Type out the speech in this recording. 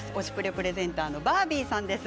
プレゼンターのバービーさんです。